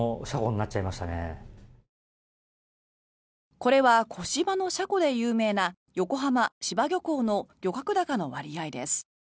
これは小柴のシャコで有名な横浜・柴漁港の漁獲高の割合です。